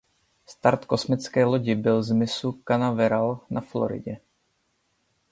Start kosmické lodi byl z mysu Canaveral na Floridě.